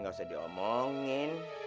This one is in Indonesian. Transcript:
ya gak usah diomongin